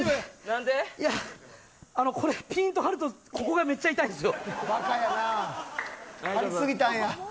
これ、ぴんと張るとここがめっちゃ痛いんですよ。